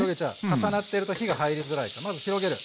重なってると火が入りづらいからまず広げる。